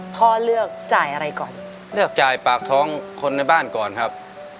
พ่อเลือกจ่ายอะไรก่อนเลือกจ่ายปากท้องคนในบ้านก่อนครับ